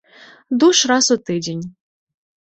Душ раз у тыдзень.